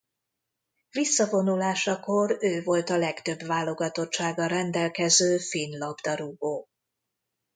Visszavonulásakor ő volt a legtöbb válogatottsággal rendelkező finn labdarúgó.